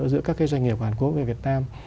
giữa các doanh nghiệp hàn quốc và việt nam